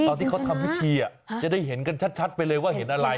ตอนที่เขาทำพิธีจะได้เห็นกันชัดไปเลยว่าเห็นอะไร